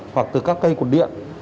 hoặc từ các cây cột điện